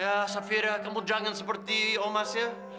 ya saphira kamu jangan seperti omas ya